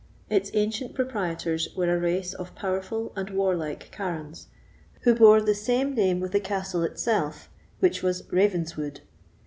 Its ancient proprietors were a race of powerful and warlike barons, who bore the same name with the castle itself, which was Ravenswood.